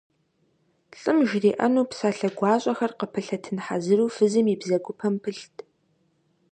Лӏым жриӀэну псалъэ гуащӀэхэр къыпылъэтын хьэзыру фызым и бзэгупэм пылът.